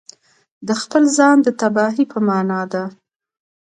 د خپل ځان د تباهي په معنا ده.